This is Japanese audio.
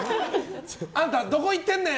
あんた、どこ行ってんねん！